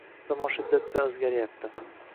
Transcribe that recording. Zamon shiddat bilan o‘zgaryapti